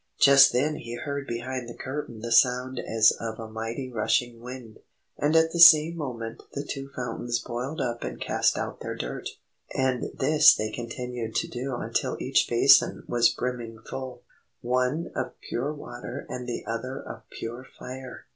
Just then he heard behind the curtain the sound as of a mighty rushing wind, and at the same moment the two fountains boiled up and cast out their dirt, and this they continued to do until each basin was brimming full, one of pure water and the other of pure fire.